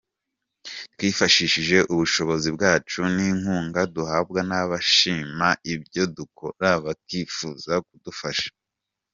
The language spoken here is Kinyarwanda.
Twifashishije ubushobozi bwacu n’inkunga duhabwa n’abashima ibyo dukora bakifuza kudufasha.